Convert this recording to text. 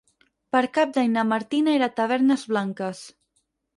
Per Cap d'Any na Martina irà a Tavernes Blanques.